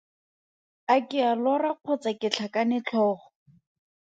A ke a lora kgotsa ke tlhakane tlhogo?